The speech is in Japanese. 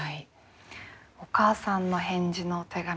お母さんの返事のお手紙